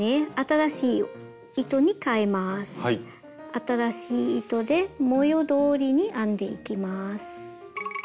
新しい糸で模様どおりに編んでいきます。